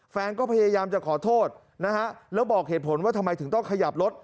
แฟนก็พยายามจะขอโทษนะฮะแล้วบอกเหตุผลว่าทำไมถึงต้องขยับรถ